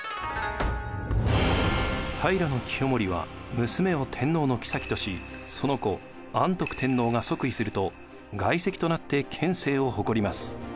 平清盛は娘を天皇のきさきとしその子安徳天皇が即位すると外戚となって権勢を誇ります。